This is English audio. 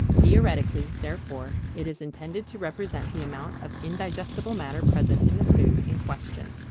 Theoretically, therefore, it is intended to represent the amount of indigestible matter present in the food in question.